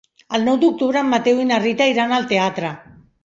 El nou d'octubre en Mateu i na Rita iran al teatre.